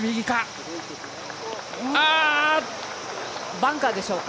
バンカーでしょうか。